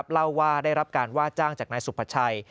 เล่าว่าได้รับการว่าจ้างจากนายสุภาชัย